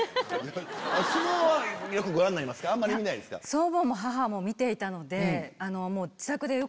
⁉祖母も母も見ていたので。